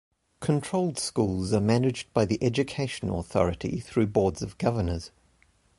Controlled schools are managed by the Education Authority through Boards of Governors.